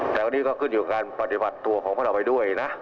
แต่วันนี้ก็ขึ้นอยู่กับการปฏิบัติตัวของพวกเราไปด้วยนะ